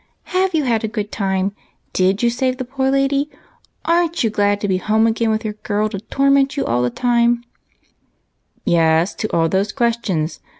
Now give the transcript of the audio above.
^' Have you had a good time? Did you save the poor lady? ArenH you glad to be home again with your girl to torment you ?" "Yes, to all those questions.